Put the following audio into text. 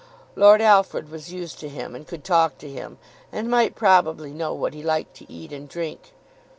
Lord Alfred was used to him and could talk to him, and might probably know what he liked to eat and drink.